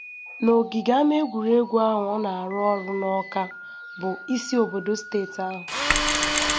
na ogige ama egwuregwu ahụ ọ na-arụ n'Akwa bụ isi obodo steeti ahụ